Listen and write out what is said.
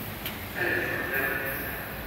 Ad neffeɣ tameddit-a.